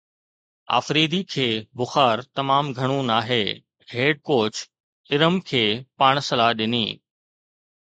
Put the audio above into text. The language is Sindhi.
آفريدي کي بخار تمام گهڻو ناهي، هيڊ ڪوچ ارم کي پاڻ صلاح ڏني